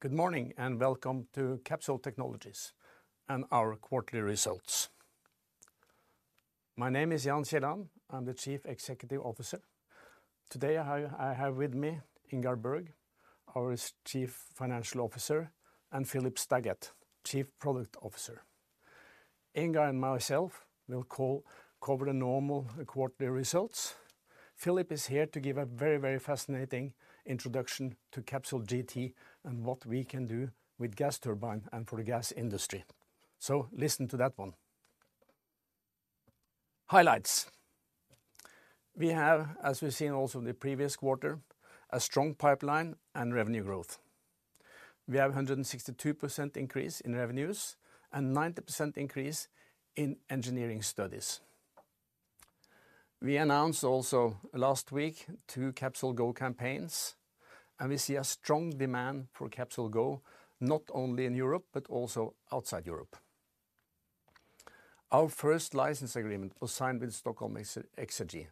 Good morning, and welcome to Capsol Technologies and our quarterly results. My name is Jan Kielland. I'm the Chief Executive Officer. Today, I have with me Ingar Bergh, our Chief Financial Officer, and Philipp Staggat, Chief Product Officer. Ingar and myself will cover the normal quarterly results. Philipp is here to give a very, very fascinating introduction to CapsolGT and what we can do with gas turbine and for the gas industry, so listen to that one. Highlights. We have, as we've seen also in the previous quarter, a strong pipeline and revenue growth. We have a 162% increase in revenues and 90% increase in engineering studies. We announced also last week, two CapsolGo campaigns, and we see a strong demand for CapsolGo, not only in Europe, but also outside Europe. Our first license agreement was signed with Stockholm Exergi.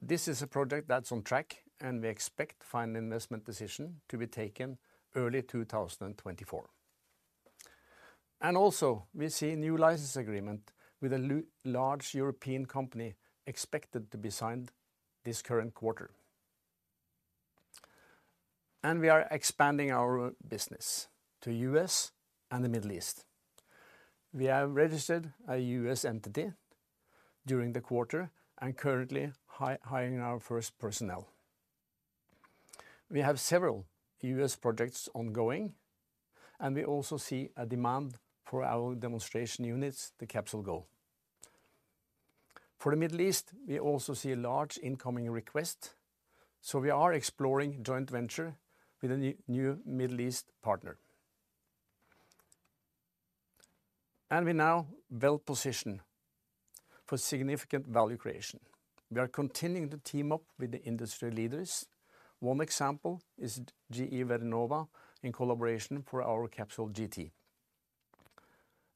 This is a project that's on track, and we expect final investment decision to be taken early 2024. Also, we see a new license agreement with a large European company expected to be signed this current quarter. We are expanding our business to U.S. and the Middle East. We have registered a U.S. entity during the quarter and currently hiring our first personnel. We have several U.S. projects ongoing, and we also see a demand for our demonstration units, the CapsolGo. For the Middle East, we also see a large incoming request, so we are exploring joint venture with a new Middle East partner. We're now well-positioned for significant value creation. We are continuing to team up with the industry leaders. One example is GE Vernova in collaboration for our CapsolGT,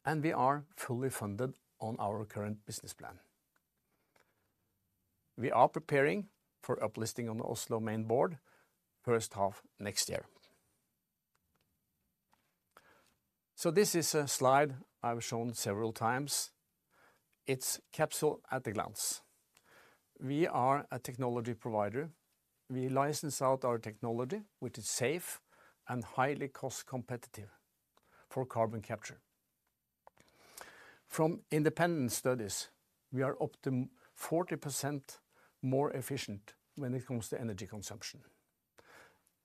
and we are fully funded on our current business plan. We are preparing for up-listing on the Oslo main board, first half next year. So this is a slide I've shown several times. It's Capsol at a glance. We are a technology provider. We license out our technology, which is safe and highly cost competitive for carbon capture. From independent studies, we are up to 40% more efficient when it comes to energy consumption,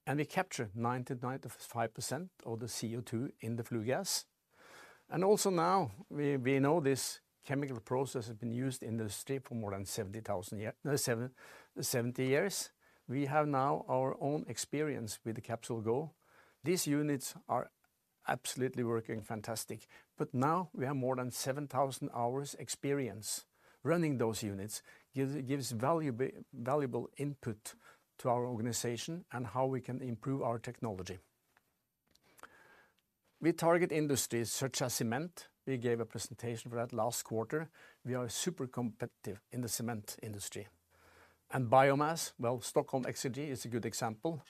and we capture 90%-95% of the CO2 in the flue gas. And also now, we know this chemical process has been used in the industry for more than seventy years. We have now our own experience with the CapsolGo. These units are absolutely working fantastic, but now we have more than 7,000 hours experience. Running those units gives valuable input to our organization and how we can improve our technology. We target industries such as cement. We gave a presentation for that last quarter. We are super competitive in the cement industry. Biomass, well, Stockholm Exergi is a good example,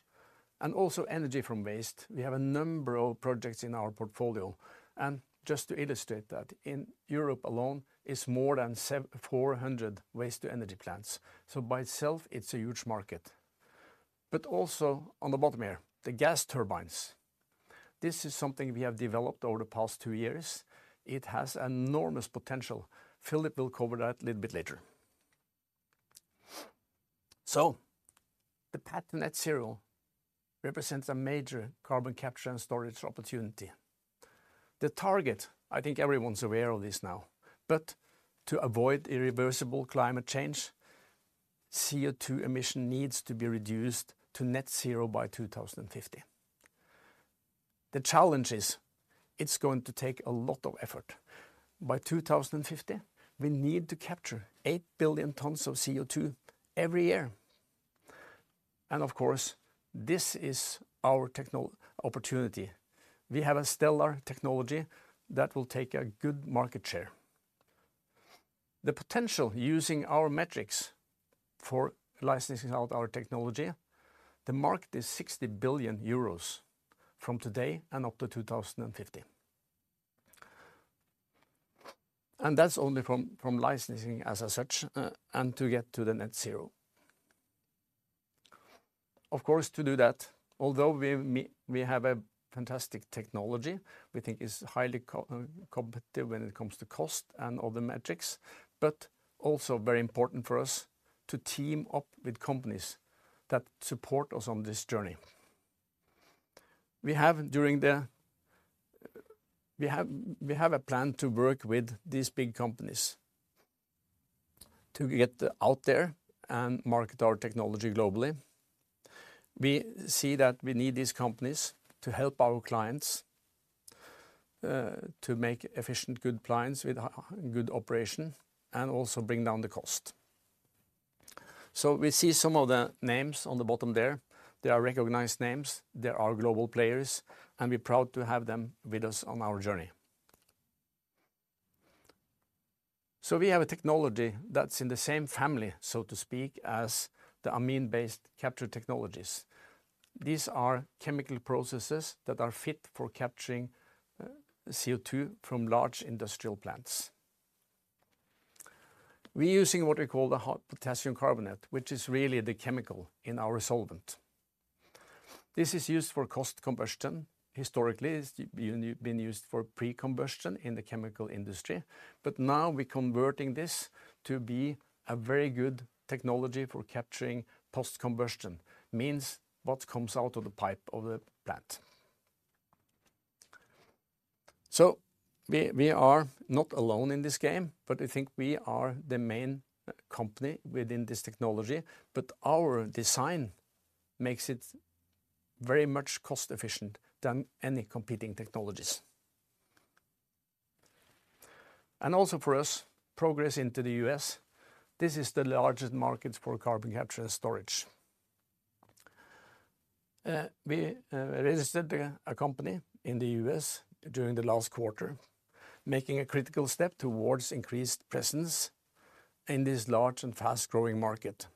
and also energy from waste. We have a number of projects in our portfolio, and just to illustrate that, in Europe alone, there are more than 400 waste-to-energy plants, so by itself, it's a huge market. Also on the bottom here, the gas turbines. This is something we have developed over the past two years. It has enormous potential. Philip will cover that a little bit later. The path to net zero represents a major carbon capture and storage opportunity. The target, I think everyone's aware of this now, but to avoid irreversible climate change, CO2 emission needs to be reduced to net zero by 2050. The challenge is, it's going to take a lot of effort. By 2050, we need to capture 8 billion tons of CO2 every year, and of course, this is our techno opportunity. We have a stellar technology that will take a good market share. The potential, using our metrics for licensing out our technology, the market is 60 billion euros from today and up to 2050. And that's only from, from licensing as such, and to get to the net zero. Of course, to do that, although we have a fantastic technology, we think is highly competitive when it comes to cost and other metrics, but also very important for us to team up with companies that support us on this journey. We have a plan to work with these big companies to get out there and market our technology globally. We see that we need these companies to help our clients to make efficient, good clients with a good operation, and also bring down the cost. So we see some of the names on the bottom there. They are recognized names, they are global players, and we're proud to have them with us on our journey. So we have a technology that's in the same family, so to speak, as the amine-based capture technologies. These are chemical processes that are fit for capturing CO2 from large industrial plants. We're using what we call the hot potassium carbonate, which is really the chemical in our solvent. This is used for post-combustion. Historically, it's been used for pre-combustion in the chemical industry, but now we're converting this to be a very good technology for capturing post-combustion. Means what comes out of the pipe of the plant. So we are not alone in this game, but I think we are the main company within this technology. But our design makes it very much cost efficient than any competing technologies. And also for us, progress into the U.S. This is the largest market for carbon capture and storage. We registered a company in the U.S. during the last quarter, making a critical step towards increased presence in this large and fast-growing market.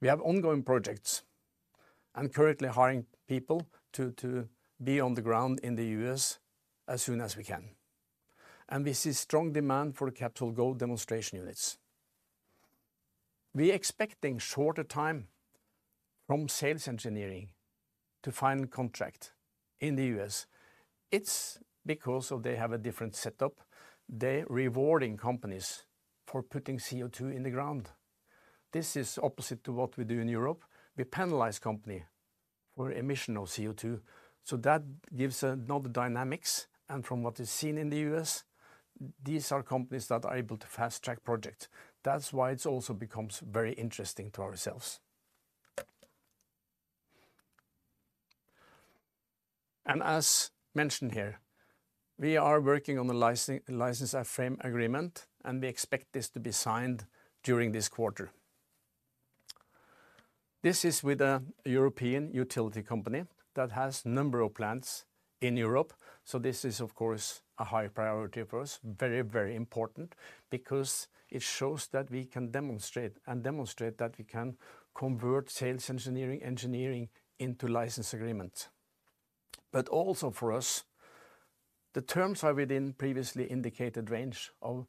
We have ongoing projects, and currently hiring people to be on the ground in the U.S. as soon as we can, and we see strong demand for CapsolGo demonstration units. We're expecting shorter time from sales engineering to final contract in the U.S. It's because of they have a different setup. They're rewarding companies for putting CO2 in the ground. This is opposite to what we do in Europe. We penalize company for emission of CO2, so that gives another dynamics, and from what is seen in the U.S., these are companies that are able to fast-track project. That's why it's also becomes very interesting to ourselves. As mentioned here, we are working on the license framework agreement, and we expect this to be signed during this quarter. This is with a European utility company that has a number of plants in Europe, so this is, of course, a high priority for us. Very, very important because it shows that we can demonstrate, and demonstrate that we can convert sales engineering, engineering into license agreement. But also for us, the terms are within previously indicated range of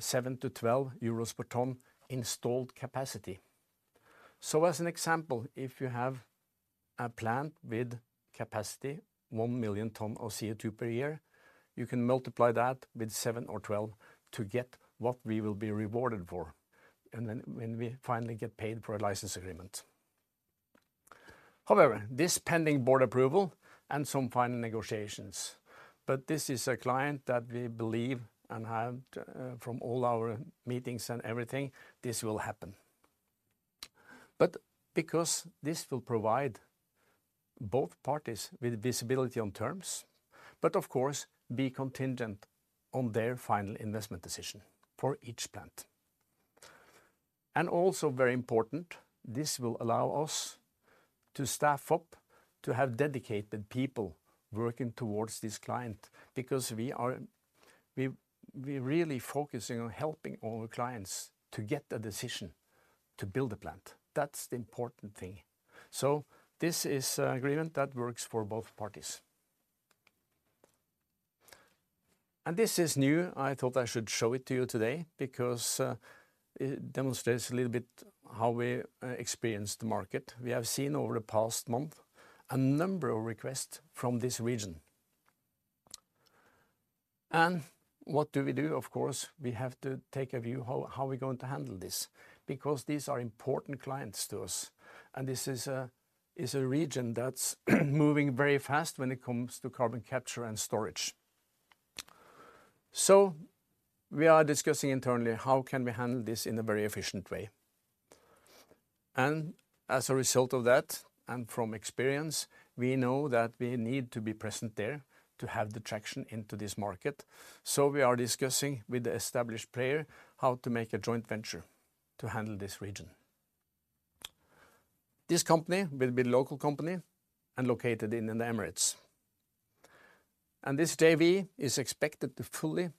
7- 12 euros per ton installed capacity. So as an example, if you have a plant with capacity 1 million ton of CO2 per year, you can multiply that with 7 or 12 to get what we will be rewarded for, and then when we finally get paid for a license agreement. However, this pending board approval and some final negotiations, but this is a client that we believe and have, from all our meetings and everything, this will happen. But because this will provide both parties with visibility on terms, but of course, be contingent on their final investment decision for each plant. And also very important, this will allow us to staff up, to have dedicated people working towards this client, because we're really focusing on helping our clients to get a decision to build a plant. That's the important thing. So this is an agreement that works for both parties. And this is new. I thought I should show it to you today because it demonstrates a little bit how we experience the market. We have seen over the past month, a number of requests from this region. And what do we do? Of course, we have to take a view how we're going to handle this, because these are important clients to us, and this is a region that's moving very fast when it comes to carbon capture and storage. So we are discussing internally, how can we handle this in a very efficient way? And as a result of that, and from experience, we know that we need to be present there to have the traction into this market. So we are discussing with the established player how to make a joint venture to handle this region. This company will be local company and located in the Emirates. And this JV is expected to fully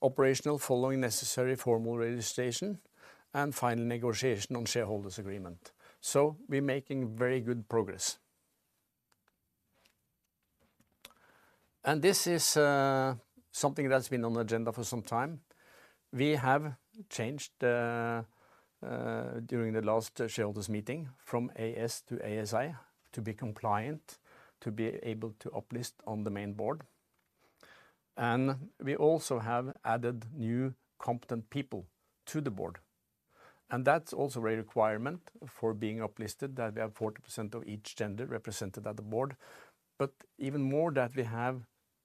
operational, following necessary formal registration and final negotiation on shareholders' agreement. So we're making very good progress. And this is something that's been on the agenda for some time. We have changed during the last shareholders' meeting from AS to ASA, to be compliant, to be able to uplist on the main board. We also have added new competent people to the board, and that's also a requirement for being uplisted, that we have 40% of each gender represented at the board, but even more that we have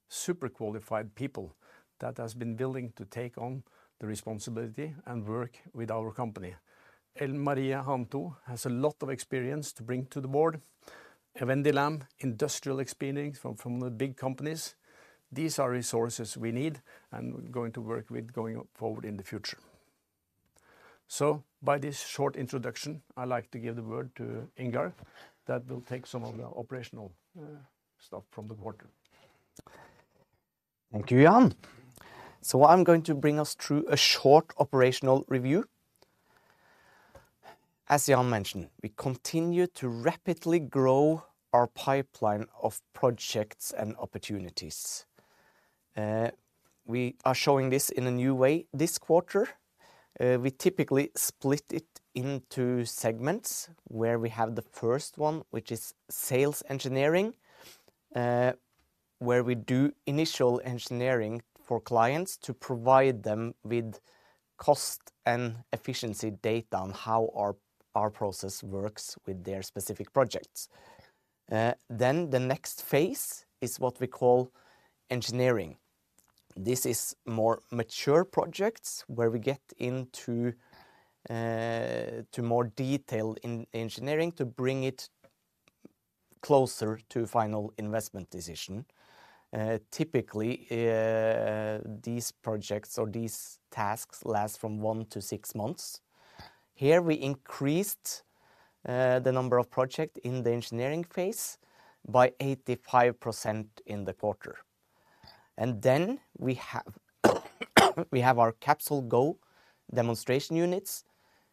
super qualified people that has been willing to take on the responsibility and work with our company. Ellen Hanetho has a lot of experience to bring to the board. Wendy Lam, industrial experience from the big companies. These are resources we need and we're going to work with going forward in the future... So by this short introduction, I'd like to give the word to Ingar, that will take some of the operational stuff from the quarter. Thank you, Jan. So I'm going to bring us through a short operational review. As Jan mentioned, we continue to rapidly grow our pipeline of projects and opportunities. We are showing this in a new way this quarter. We typically split it into segments, where we have the first one, which is sales engineering, where we do initial engineering for clients to provide them with cost and efficiency data on how our, our process works with their specific projects. Then the next phase is what we call engineering. This is more mature projects, where we get into more detailed engineering to bring it closer to final investment decision. Typically, these projects or these tasks last from one to six months. Here, we increased the number of project in the engineering phase by 85% in the quarter. We have, we have our CapsolGo demonstration units.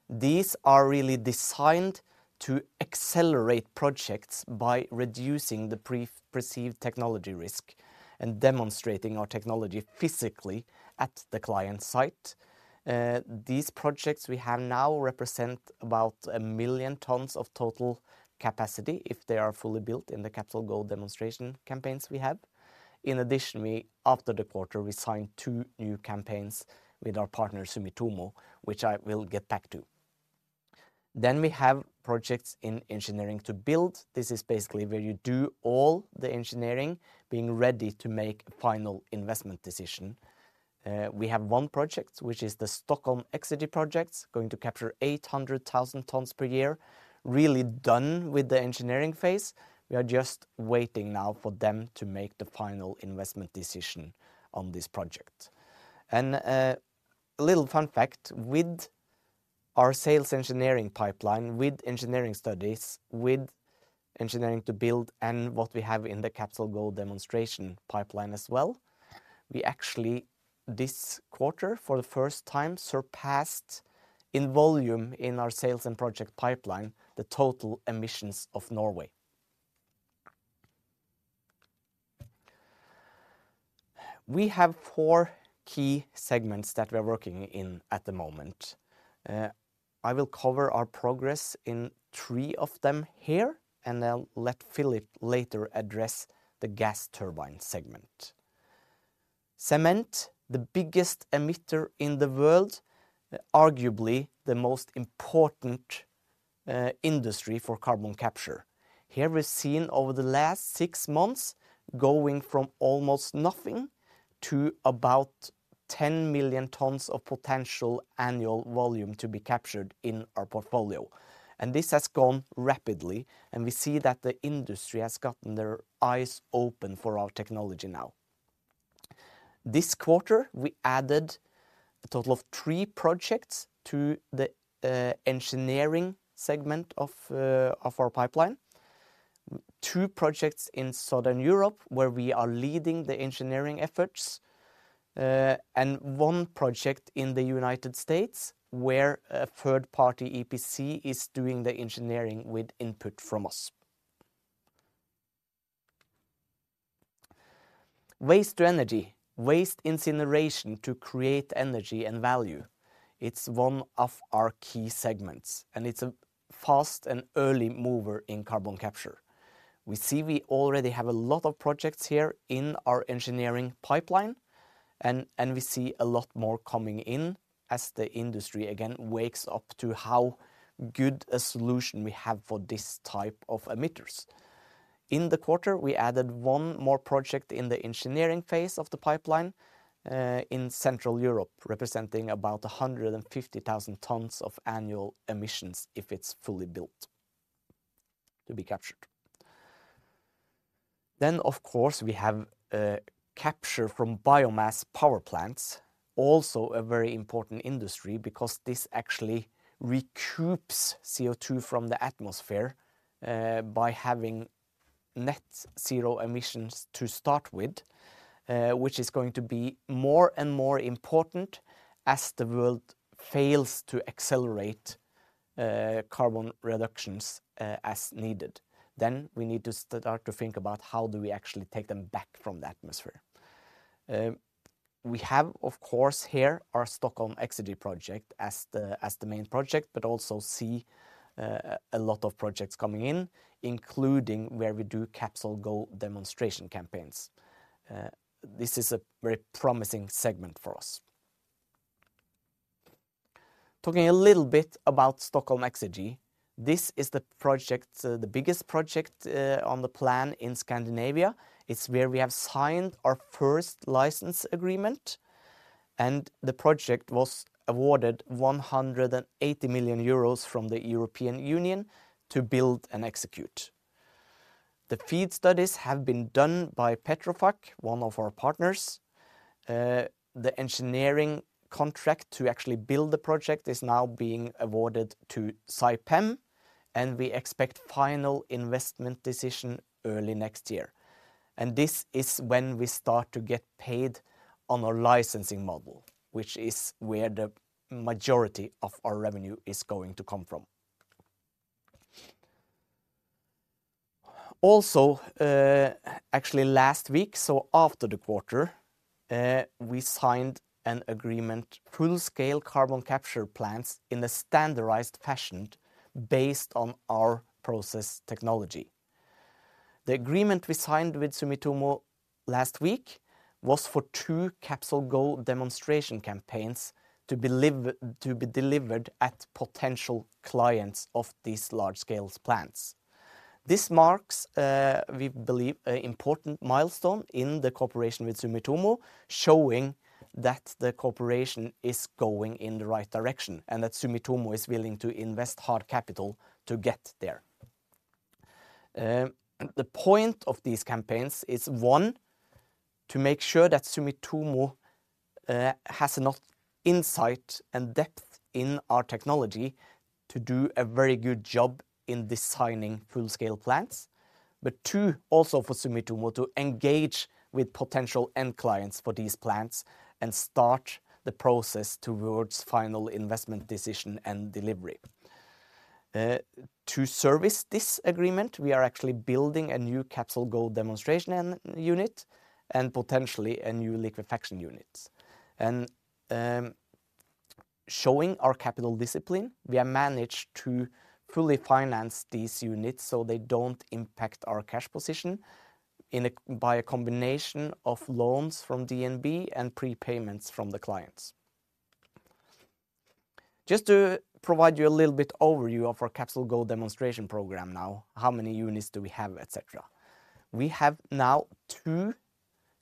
These are really designed to accelerate projects by reducing the pre-perceived technology risk and demonstrating our technology physically at the client site. These projects we have now represent about 1 million tons of total capacity if they are fully built in the CapsolGo demonstration campaigns we have. In addition, we, after the quarter, we signed two new campaigns with our partner, Sumitomo, which I will get back to. We have projects in engineering to build. This is basically where you do all the engineering, being ready to make a final investment decision. We have one project, which is the Stockholm Exergi project, going to capture 800,000 tons per year. Really done with the engineering phase. We are just waiting now for them to make the final investment decision on this project. A little fun fact, with our sales engineering pipeline, with engineering studies, with engineering to build and what we have in the CapsolGo demonstration pipeline as well, we actually, this quarter, for the first time, surpassed in volume in our sales and project pipeline, the total emissions of Norway. We have four key segments that we are working in at the moment. I will cover our progress in three of them here, and I'll let Philipp later address the gas turbine segment. Cement, the biggest emitter in the world, arguably the most important industry for carbon capture. Here, we've seen over the last six months, going from almost nothing to about 10 million tons of potential annual volume to be captured in our portfolio. And this has gone rapidly, and we see that the industry has gotten their eyes open for our technology now. This quarter, we added a total of three projects to the engineering segment of our pipeline. Two projects in Southern Europe, where we are leading the engineering efforts, and one project in the United States, where a third-party EPC is doing the engineering with input from us. Waste to energy. Waste incineration to create energy and value. It's one of our key segments, and it's a fast and early mover in carbon capture. We see we already have a lot of projects here in our engineering pipeline, and we see a lot more coming in as the industry again wakes up to how good a solution we have for this type of emitters. In the quarter, we added one more project in the engineering phase of the pipeline, in Central Europe, representing about 150,000 tons of annual emissions, if it's fully built to be captured. Then, of course, we have, capture from biomass power plants. Also, a very important industry because this actually recoups CO2 from the atmosphere, by having net zero emissions to start with, which is going to be more and more important as the world fails to accelerate, carbon reductions, as needed. Then we need to start to think about how do we actually take them back from the atmosphere. We have, of course, here, our Stockholm Exergi project as the, as the main project, but also see, a lot of projects coming in, including where we do CapsolGo demonstration campaigns. This is a very promising segment for us. Talking a little bit about Stockholm Exergi, this is the project, the biggest project, on the plan in Scandinavia. It's where we have signed our first license agreement, and the project was awarded 180 million euros from the European Union to build and execute. The FEED studies have been done by Petrofac, one of our partners. The engineering contract to actually build the project is now being awarded to Saipem, and we expect final investment decision early next year. And this is when we start to get paid on our licensing model, which is where the majority of our revenue is going to come from. Also, actually last week, so after the quarter, we signed an agreement, full-scale carbon capture plants in a standardized fashion based on our process technology. The agreement we signed with Sumitomo last week was for two CapsolGo demonstration campaigns to be live, to be delivered at potential clients of these large-scale plants. This marks, we believe, an important milestone in the cooperation with Sumitomo, showing that the cooperation is going in the right direction, and that Sumitomo is willing to invest hard capital to get there. The point of these campaigns is, one, to make sure that Sumitomo has enough insight and depth in our technology to do a very good job in designing full-scale plants. But two, also for Sumitomo to engage with potential end clients for these plants and start the process towards final investment decision and delivery. To service this agreement, we are actually building a new CapsolGo demonstration unit, and potentially a new liquefaction unit. Showing our capital discipline, we have managed to fully finance these units so they don't impact our cash position by a combination of loans from DNB and prepayments from the clients. Just to provide you a little bit overview of our CapsolGo demonstration program now, how many units do we have, et cetera. We have now two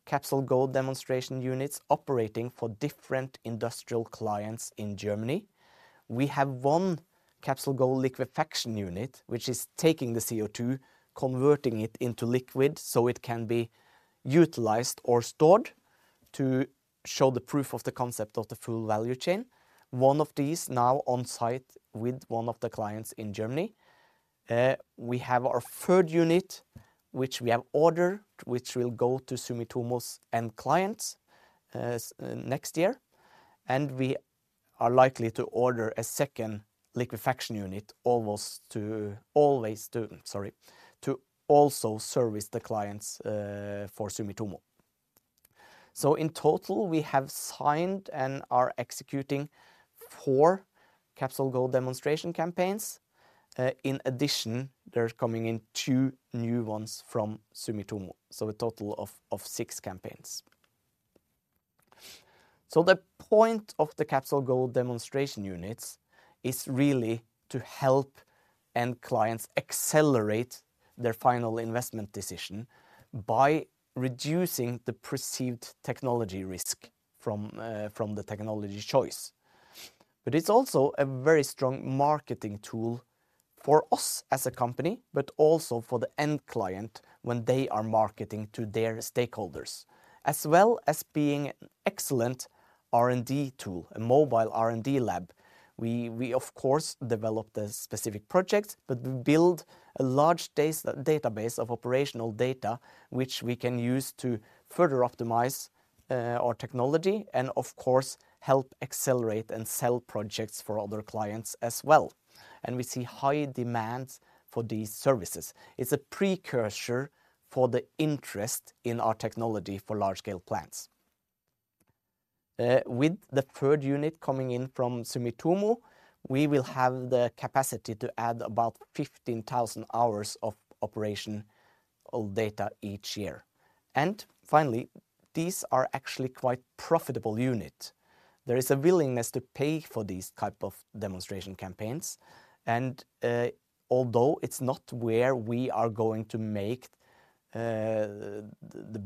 CapsolGo demonstration units operating for different industrial clients in Germany. We have one CapsolGo liquefaction unit, which is taking the CO2, converting it into liquid, so it can be utilized or stored to show the proof of the concept of the full value chain. One of these now on site with one of the clients in Germany. We have our third unit, which we have ordered, which will go to Sumitomo's end clients, next year. We are likely to order a second liquefaction unit, always to also service the clients for Sumitomo. So in total, we have signed and are executing four CapsolGo demonstration campaigns. In addition, there are coming in two new ones from Sumitomo, so a total of six campaigns. So the point of the CapsolGo demonstration units is really to help end clients accelerate their final investment decision by reducing the perceived technology risk from the technology choice. But it's also a very strong marketing tool for us as a company, but also for the end client when they are marketing to their stakeholders, as well as being an excellent R&D tool, a mobile R&D lab. We of course developed a specific project, but we build a large database of operational data, which we can use to further optimize our technology and, of course, help accelerate and sell projects for other clients as well. We see high demands for these services. It's a precursor for the interest in our technology for large-scale plants. With the third unit coming in from Sumitomo, we will have the capacity to add about 15,000 hours of operational data each year. And finally, these are actually quite profitable unit. There is a willingness to pay for these type of demonstration campaigns, and although it's not where we are going to make the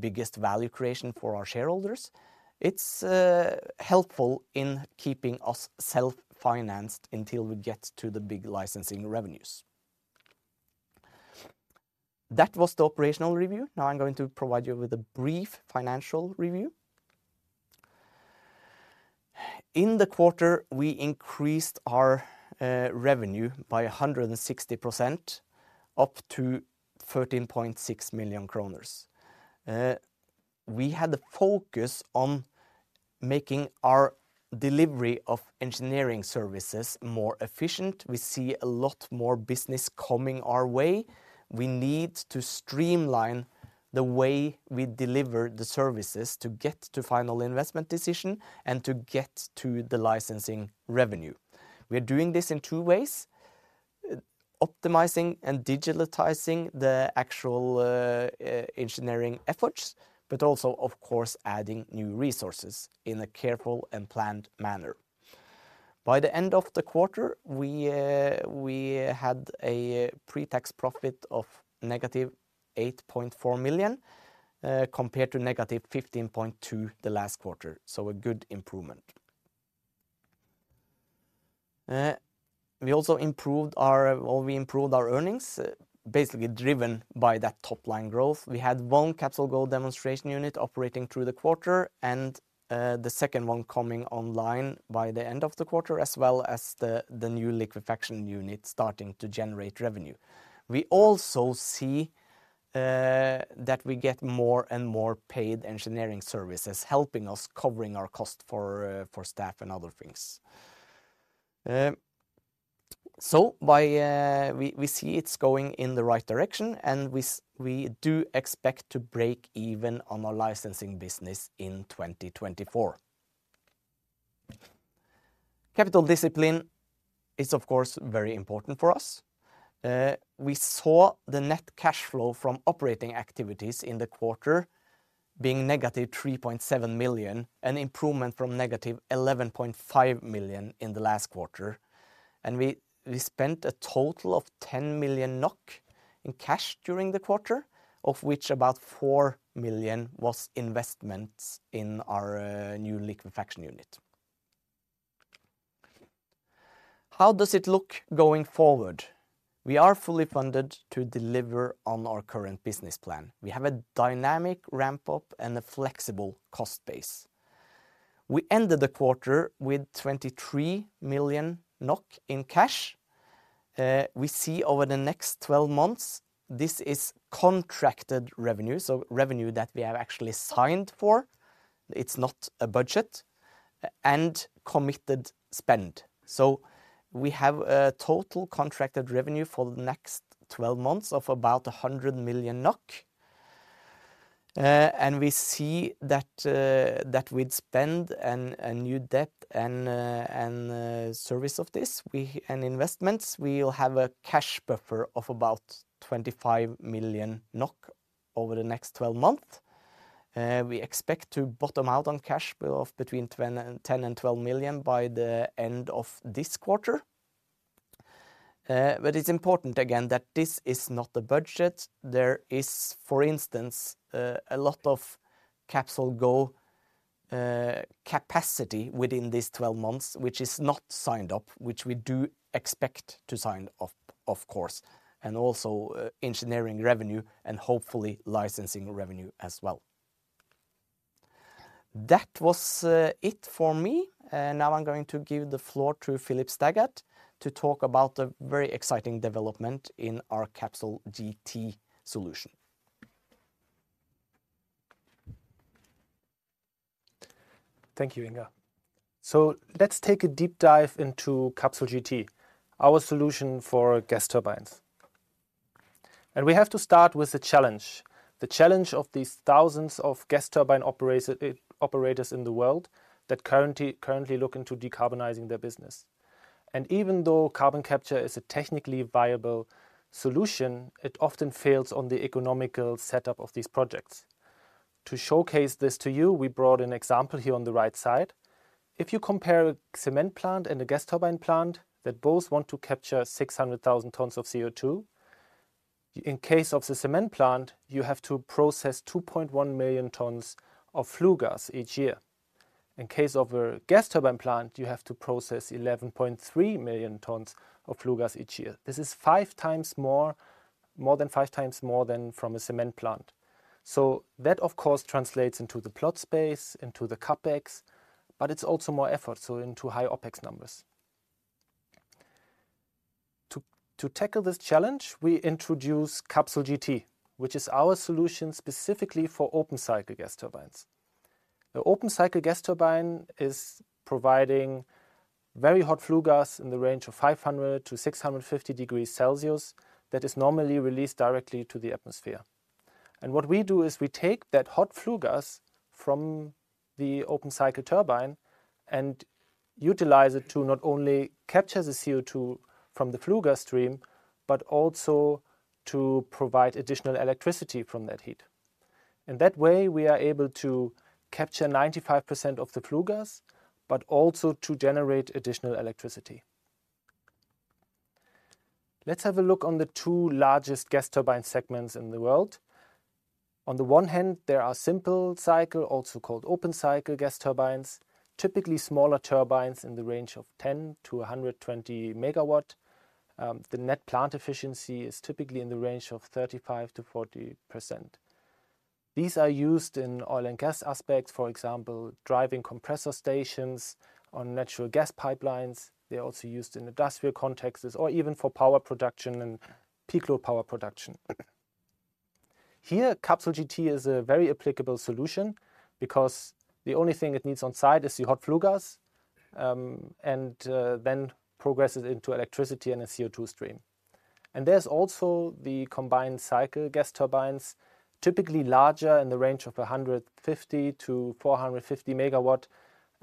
biggest value creation for our shareholders, it's helpful in keeping us self-financed until we get to the big licensing revenues. That was the operational review. Now, I'm going to provide you with a brief financial review. In the quarter, we increased our revenue by 160%, up to 13.6 million kroner. We had a focus on making our delivery of engineering services more efficient. We see a lot more business coming our way. We need to streamline the way we deliver the services to get to final investment decision and to get to the licensing revenue. We're doing this in two ways: optimizing and digitizing the actual engineering efforts, but also, of course, adding new resources in a careful and planned manner. By the end of the quarter, we had a pre-tax profit of negative 8.4 million, compared to negative 15.2 million the last quarter, so a good improvement. We also improved our, well, we improved our earnings, basically driven by that top line growth. We had one CapsolGo demonstration unit operating through the quarter, and the second one coming online by the end of the quarter, as well as the new liquefaction unit starting to generate revenue. We also see that we get more and more paid engineering services, helping us covering our cost for for staff and other things. So by, we see it's going in the right direction, and we do expect to break even on our licensing business in 2024. Capital discipline is, of course, very important for us. We saw the net cash flow from operating activities in the quarter being -3.7 million, an improvement from -11.5 million in the last quarter. And we, we spent a total of 10 million NOK in cash during the quarter, of which about 4 million was investments in our new liquefaction unit. How does it look going forward? We are fully funded to deliver on our current business plan. We have a dynamic ramp-up and a flexible cost base. We ended the quarter with 23 million NOK in cash. We see over the next 12 months, this is contracted revenue, so revenue that we have actually signed for, it's not a budget and committed spend. So we have a total contracted revenue for the next 12 months of about 100 million NOK. And we see that with spend and new debt and service of this and investments, we will have a cash buffer of about 25 million NOK over the next 12 months. We expect to bottom out on cash of between 10 million-12 million by the end of this quarter. But it's important, again, that this is not a budget. There is, for instance, a lot of CapsolGo capacity within these 12 months, which is not signed up, which we do expect to sign up, of course, and also engineering revenue and hopefully licensing revenue as well. That was it for me. Now I'm going to give the floor to Philipp Staggat to talk about the very exciting development in our CapsolGT solution. Thank you, Ingar. So let's take a deep dive into CapsolGT, our solution for gas turbines. We have to start with the challenge, the challenge of these thousands of gas turbine operators in the world that currently, currently look into decarbonizing their business. Even though carbon capture is a technically viable solution, it often fails on the economical setup of these projects. To showcase this to you, we brought an example here on the right side. If you compare a cement plant and a gas turbine plant that both want to capture 600,000 tons of CO2, in case of the cement plant, you have to process 2.1 million tons of flue gas each year. In case of a gas turbine plant, you have to process 11.3 million tons of flue gas each year. This is more than five times more than from a cement plant. So that, of course, translates into the plot space, into the CapEx, but it's also more effort, so into high OpEx numbers. To tackle this challenge, we introduce CapsolGT, which is our solution specifically for open-cycle gas turbines. The open-cycle gas turbine is providing very hot flue gas in the range of 500-650 degrees Celsius that is normally released directly to the atmosphere. And what we do is we take that hot flue gas from the open-cycle turbine and utilize it to not only capture the CO2 from the flue gas stream, but also to provide additional electricity from that heat. In that way, we are able to capture 95% of the flue gas, but also to generate additional electricity. Let's have a look on the two largest gas turbine segments in the world. On the one hand, there are simple cycle, also called open-cycle gas turbines, typically smaller turbines in the range of 10 MW-120 MW. The net plant efficiency is typically in the range of 35%-40%. These are used in oil and gas aspects, for example, driving compressor stations on natural gas pipelines. They're also used in industrial contexts or even for power production and peak load power production. Here, CapsolGT is a very applicable solution because the only thing it needs on site is the hot flue gas, then progresses into electricity and a CO2 stream. And there's also the combined cycle gas turbines, typically larger in the range of 150 MW-450 MW.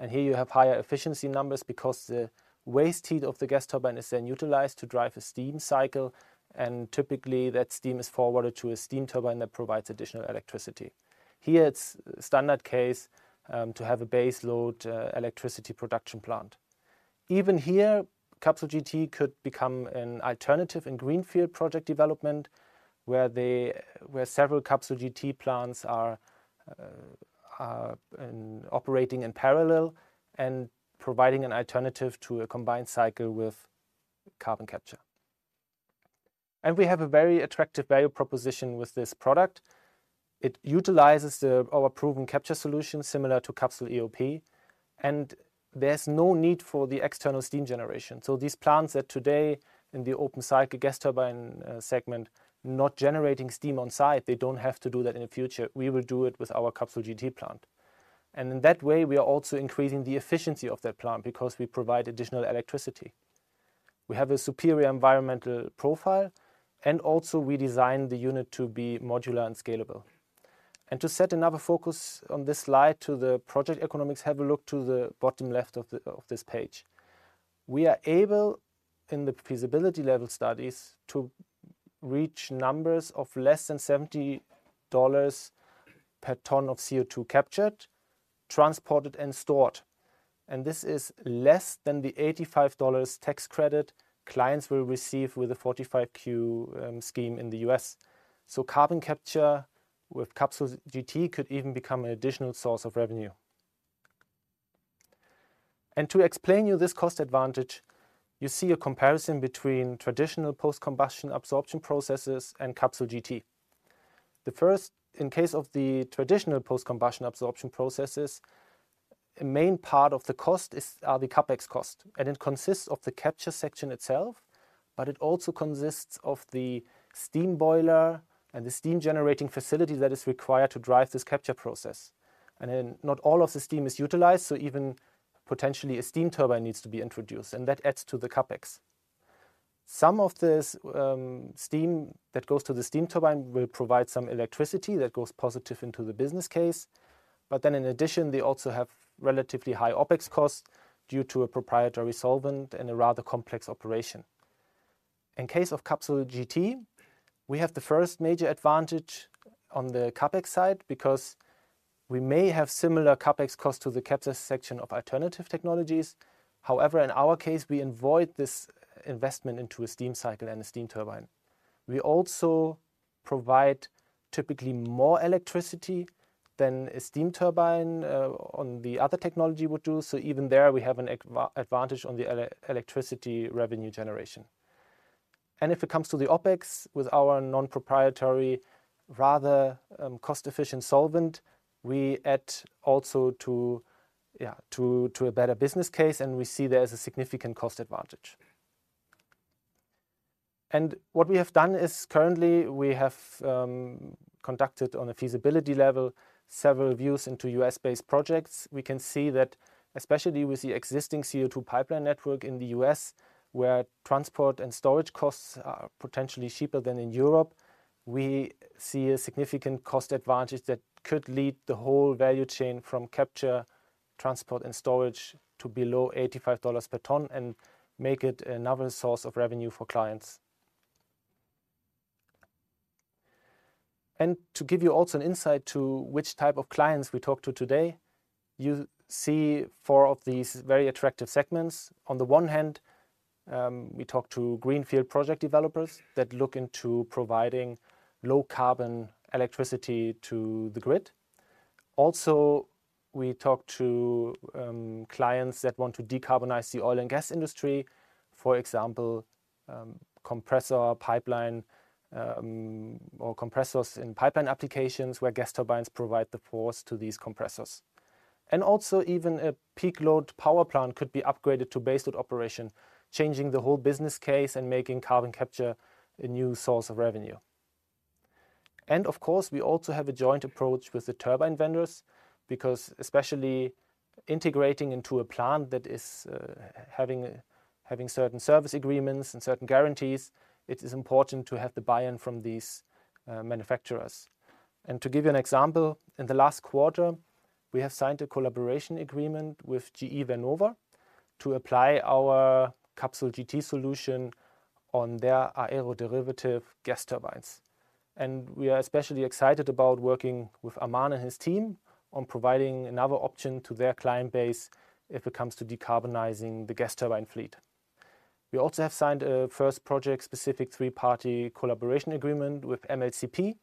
Here you have higher efficiency numbers because the waste heat of the gas turbine is then utilized to drive a steam cycle, and typically that steam is forwarded to a steam turbine that provides additional electricity. Here, it's standard case to have a base load electricity production plant. Even here, CapsolGT could become an alternative in greenfield project development, where several CapsolGT plants are operating in parallel and providing an alternative to a combined cycle with carbon capture. And we have a very attractive value proposition with this product. It utilizes our proven capture solution, similar to CapsolEoP, and there's no need for the external steam generation. So these plants that today in the open-cycle gas turbine segment, not generating steam on site, they don't have to do that in the future. We will do it with our CapsolGT plant. In that way, we are also increasing the efficiency of that plant because we provide additional electricity. We have a superior environmental profile, and also we design the unit to be modular and scalable. To set another focus on this slide to the project economics, have a look to the bottom left of this page. We are able, in the feasibility level studies, to reach numbers of less than $70 per ton of CO2 captured, transported, and stored. This is less than the $85 tax credit clients will receive with a 45Q scheme in the U.S. Carbon capture with CapsolGT could even become an additional source of revenue. To explain you this cost advantage, you see a comparison between traditional post-combustion absorption processes and CapsolGT. The first, in case of the traditional post-combustion absorption processes, a main part of the cost is, are the CapEx cost, and it consists of the capture section itself, but it also consists of the steam boiler and the steam-generating facility that is required to drive this capture process. Then not all of the steam is utilized, so even potentially a steam turbine needs to be introduced, and that adds to the CapEx. Some of this, steam that goes to the steam turbine will provide some electricity that goes positive into the business case. But then in addition, they also have relatively high OpEx costs due to a proprietary solvent and a rather complex operation. In case of CapsolGT, we have the first major advantage on the CapEx side because we may have similar CapEx costs to the capture section of alternative technologies. However, in our case, we avoid this investment into a steam cycle and a steam turbine. We also provide typically more electricity than a steam turbine on the other technology would do. So even there, we have an advantage on the electricity revenue generation. And if it comes to the OpEx, with our non-proprietary, rather, cost-efficient solvent, we add also to a better business case, and we see there's a significant cost advantage. And what we have done is currently we have conducted on a feasibility level, several reviews into U.S.-based projects. We can see that especially with the existing CO2 pipeline network in the U.S., where transport and storage costs are potentially cheaper than in Europe, we see a significant cost advantage that could lead the whole value chain from capture, transport, and storage to below $85 per ton and make it another source of revenue for clients. To give you also an insight to which type of clients we talked to today, you see four of these very attractive segments. On the one hand, we talked to greenfield project developers that look into providing low-carbon electricity to the grid. Also, we talked to clients that want to decarbonize the oil and gas industry. For example, compressor pipeline or compressors in pipeline applications where gas turbines provide the force to these compressors. Also, even a peak load power plant could be upgraded to base load operation, changing the whole business case and making carbon capture a new source of revenue. Of course, we also have a joint approach with the turbine vendors because especially integrating into a plant that is having certain service agreements and certain guarantees, it is important to have the buy-in from these manufacturers. To give you an example, in the last quarter, we have signed a collaboration agreement with GE Vernova to apply our CapsolGT solution on their aero-derivative gas turbines. We are especially excited about working with Aman and his team on providing another option to their client base if it comes to decarbonizing the gas turbine fleet. We also have signed a first project-specific three-party collaboration agreement with MLCP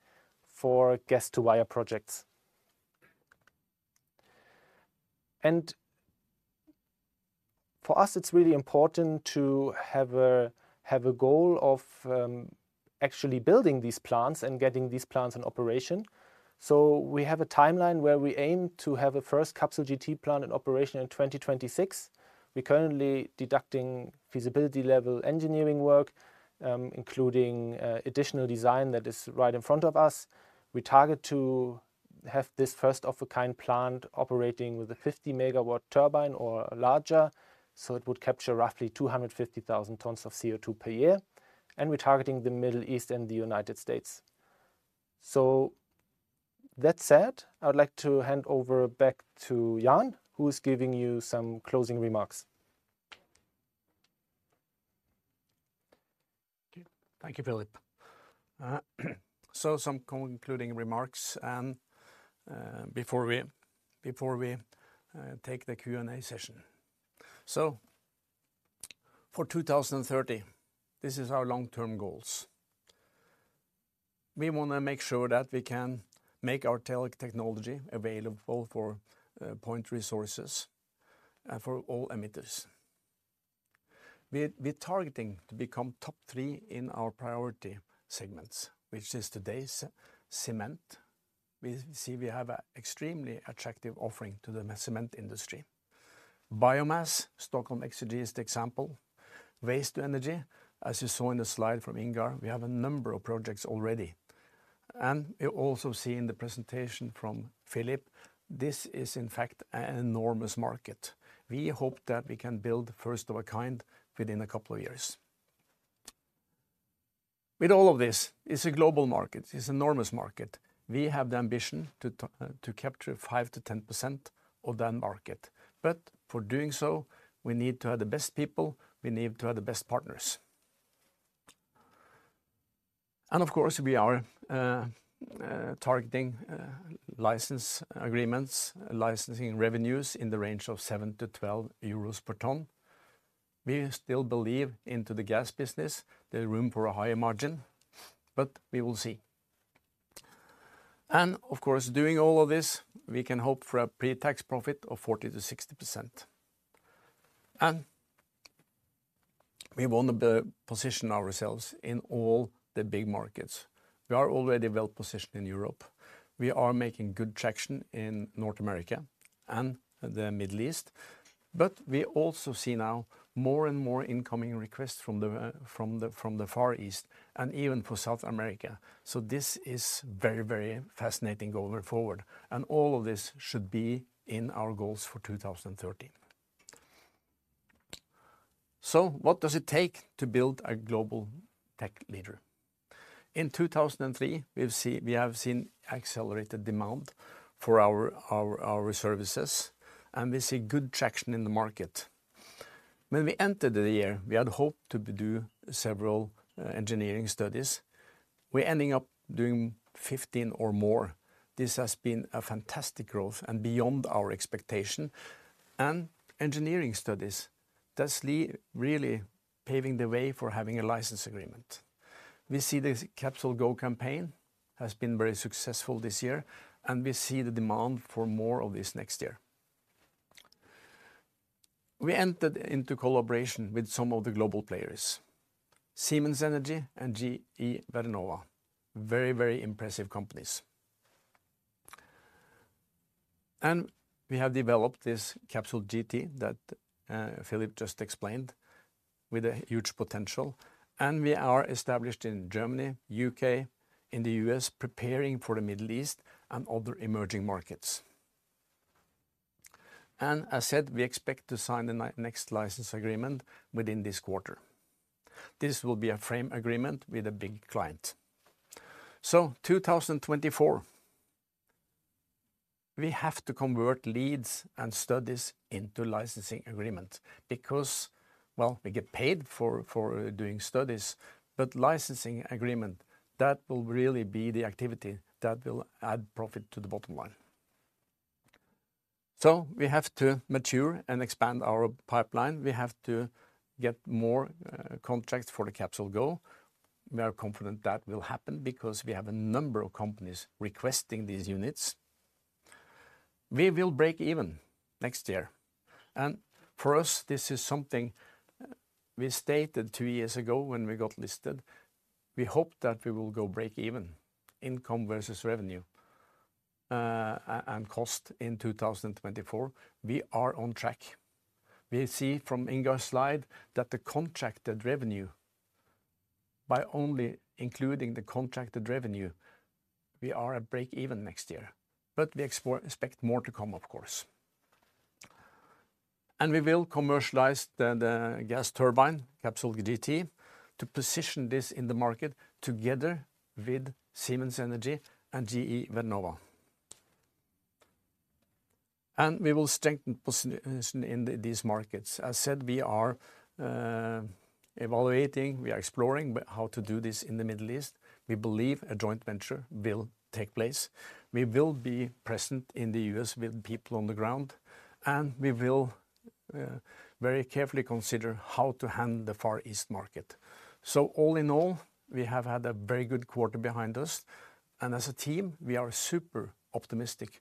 for gas-to-wire projects. For us, it's really important to have a, have a goal of actually building these plants and getting these plants in operation. So we have a timeline where we aim to have a first CapsolGT plant in operation in 2026. We're currently conducting feasibility-level engineering work, including additional design that is right in front of us. We target to have this first-of-a-kind plant operating with a 50 MW turbine or larger, so it would capture roughly 250,000 tons of CO2 per year, and we're targeting the Middle East and the United States. So that said, I would like to hand over back to Jan, who's giving you some closing remarks. Thank you, Philipp. So some concluding remarks and, before we, before we, take the Q&A session. So for 2030, this is our long-term goals. We want to make sure that we can make our technology available for, point resources and for all emitters. We're targeting to become top three in our priority segments, which is today's cement. We see we have an extremely attractive offering to the cement industry. Biomass, Stockholm Exergi is the example. Waste to energy, as you saw in the slide from Ingar, we have a number of projects already. And you also see in the presentation from Philipp, this is in fact, an enormous market. We hope that we can build first of a kind within a couple of years. With all of this, it's a global market, it's enormous market. We have the ambition to capture 5%-10% of that market. But for doing so, we need to have the best people, we need to have the best partners. And of course, we are targeting license agreements, licensing revenues in the range of 7-12 euros per ton. We still believe into the gas business, there is room for a higher margin, but we will see. And of course, doing all of this, we can hope for a pre-tax profit of 40%-60%. And we want to position ourselves in all the big markets. We are already well-positioned in Europe. We are making good traction in North America and the Middle East, but we also see now more and more incoming requests from the Far East, and even for South America. So this is very, very fascinating going forward, and all of this should be in our goals for 2030. So what does it take to build a global tech leader? In 2023, we have seen accelerated demand for our services, and we see good traction in the market. When we entered the year, we had hoped to do several engineering studies. We're ending up doing 15 or more. This has been a fantastic growth and beyond our expectation. And engineering studies, that's really paving the way for having a license agreement. We see this CapsolGo campaign has been very successful this year, and we see the demand for more of this next year. We entered into collaboration with some of the global players, Siemens Energy and GE Vernova. Very, very impressive companies. We have developed this CapsolGT that Philipp just explained, with a huge potential, and we are established in Germany, U.K., in the U.S., preparing for the Middle East and other emerging markets. As said, we expect to sign the next license agreement within this quarter. This will be a frame agreement with a big client. 2024, we have to convert leads and studies into licensing agreements because, well, we get paid for doing studies, but licensing agreement, that will really be the activity that will add profit to the bottom line. We have to mature and expand our pipeline. We have to get more contracts for the CapsolGo. We are confident that will happen because we have a number of companies requesting these units. We will break even next year, and for us, this is something we stated two years ago when we got listed. We hope that we will go break even, income versus revenue, and cost in 2024. We are on track. We see from Ingar's slide that the contracted revenue, by only including the contracted revenue, we are at break even next year, but we expect more to come, of course. And we will commercialize the gas turbine, CapsolGT, to position this in the market together with Siemens Energy and GE Vernova. And we will strengthen position in these markets. As said, we are evaluating, we are exploring, but how to do this in the Middle East, we believe a joint venture will take place. We will be present in the U.S. with people on the ground, and we will very carefully consider how to handle the Far East market. So all in all, we have had a very good quarter behind us, and as a team, we are super optimistic.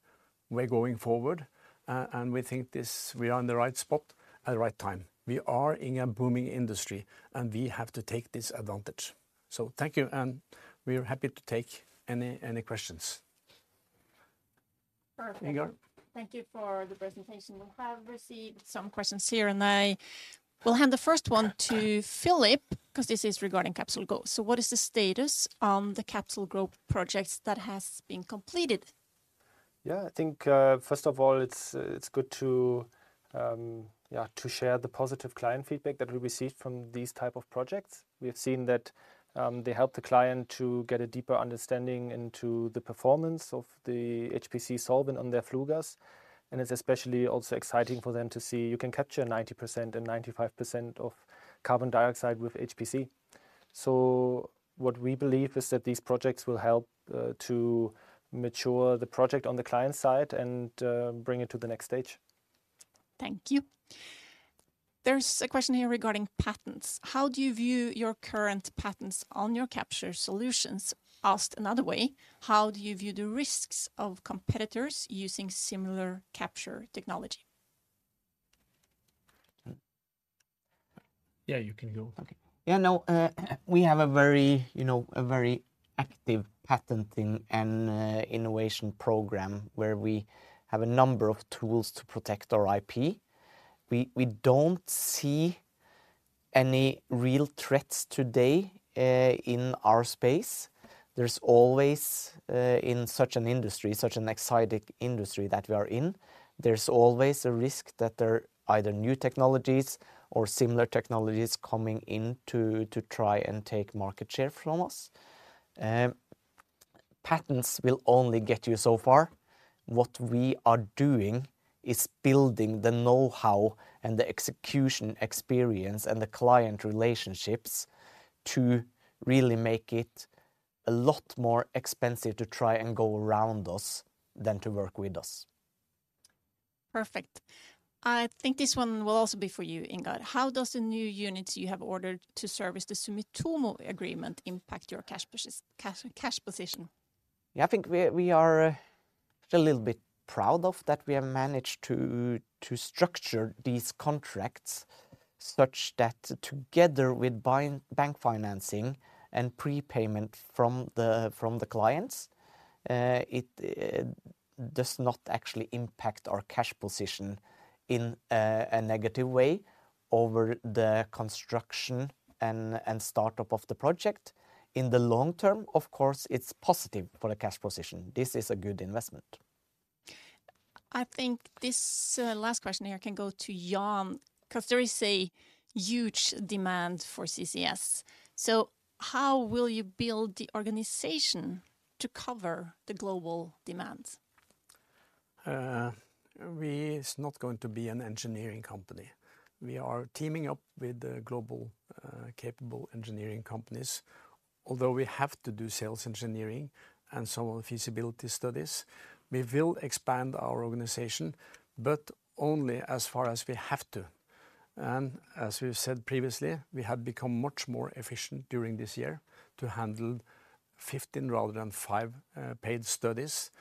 We're going forward, and we think this, we are in the right spot at the right time. We are in a booming industry, and we have to take this advantage. So thank you, and we are happy to take any, any questions. Perfect. Ingar? Thank you for the presentation. We have received some questions here, and I will hand the first one to Philipp, 'cause this is regarding CapsolGo. So what is the status on the CapsolGo projects that has been completed? Yeah, I think, first of all, it's good to, yeah, to share the positive client feedback that we received from these type of projects. We have seen that, they help the client to get a deeper understanding into the performance of the HPC solvent on their flue gas, and it's especially also exciting for them to see you can capture 90% and 95% of carbon dioxide with HPC. So what we believe is that these projects will help, to mature the project on the client side and, bring it to the next stage. Thank you. There's a question here regarding patents. "How do you view your current patents on your capture solutions? Asked another way, how do you view the risks of competitors using similar capture technology? Yeah, you can go. Okay. Yeah, no, we have a very, you know, a very active patenting and innovation program where we have a number of tools to protect our IP. We don't see any real threats today in our space. There's always, in such an industry, such an exciting industry that we are in, there's always a risk that there are either new technologies or similar technologies coming in to try and take market share from us. Patents will only get you so far. What we are doing is building the know-how and the execution experience and the client relationships to really make it a lot more expensive to try and go around us than to work with us. Perfect. I think this one will also be for you, Ingar. "How does the new units you have ordered to service the Sumitomo agreement impact your cash position? Yeah, I think we are a little bit proud of that we have managed to structure these contracts such that together with bank financing and prepayment from the clients, it does not actually impact our cash position in a negative way over the construction and startup of the project. In the long term, of course, it's positive for the cash position. This is a good investment. I think this last question here can go to Jan, 'cause there is a huge demand for CCS. So how will you build the organization to cover the global demands? We is not going to be an engineering company. We are teaming up with the global, capable engineering companies. Although we have to do sales engineering and some of the feasibility studies, we will expand our organization, but only as far as we have to. As we've said previously, we have become much more efficient during this year to handle 15 rather than five paid studies.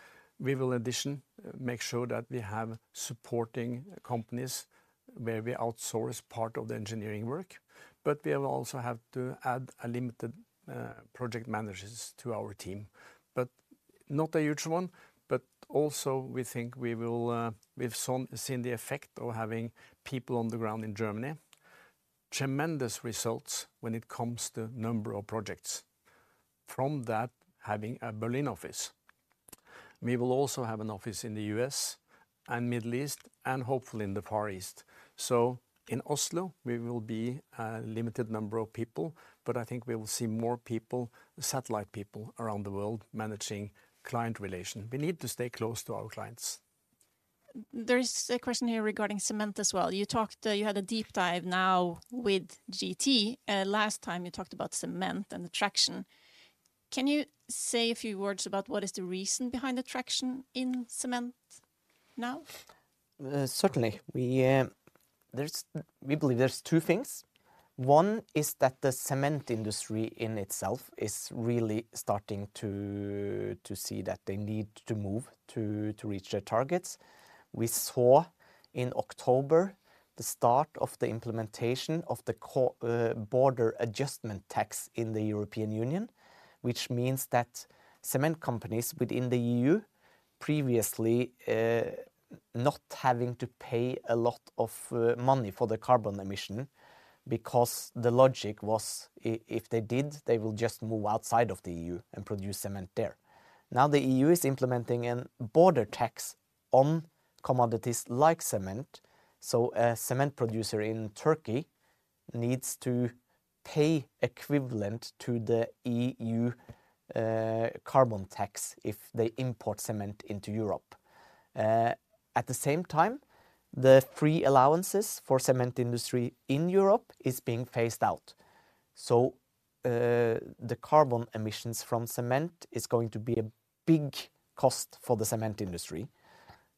We will, addition, make sure that we have supporting companies where we outsource part of the engineering work, but we will also have to add a limited project managers to our team, but not a huge one. But also, we think we will. We've seen the effect of having people on the ground in Germany, tremendous results when it comes to number of projects from that, having a Berlin office. We will also have an office in the U.S. and Middle East, and hopefully in the Far East. So in Oslo, we will be a limited number of people, but I think we will see more people, satellite people, around the world managing client relation. We need to stay close to our clients. There is a question here regarding cement as well. You talked, you had a deep dive now with GT. Last time you talked about cement and the traction. Can you say a few words about what is the reason behind the traction in cement now? Certainly. We believe there's two things. One is that the cement industry in itself is really starting to see that they need to move to reach their targets. We saw in October the start of the implementation of the carbon border adjustment tax in the European Union, which means that cement companies within the EU previously not having to pay a lot of money for the carbon emission, because the logic was if they did, they will just move outside of the EU and produce cement there. Now, the EU is implementing a border tax on commodities like cement, so a cement producer in Turkey needs to pay equivalent to the EU carbon tax if they import cement into Europe. At the same time, the free allowances for cement industry in Europe is being phased out. So, the carbon emissions from cement is going to be a big cost for the cement industry,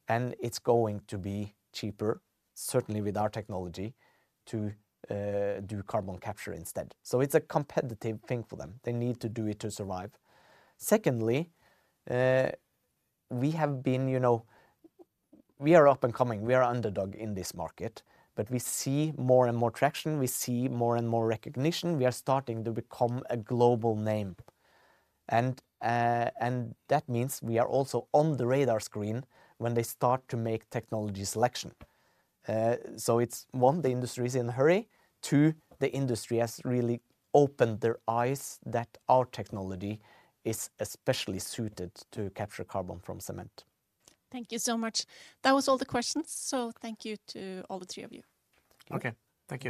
and it's going to be cheaper, certainly with our technology, to do carbon capture instead. So it's a competitive thing for them. They need to do it to survive. Secondly, we have been, you know, we are up and coming. We are underdog in this market, but we see more and more traction. We see more and more recognition. We are starting to become a global name, and that means we are also on the radar screen when they start to make technology selection. So it's, one, the industry is in a hurry. Two, the industry has really opened their eyes that our technology is especially suited to capture carbon from cement. Thank you so much. That was all the questions, so thank you to all the three of you. Okay, thank you.